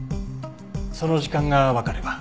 その時間がわかれば。